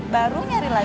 baru nyari lagi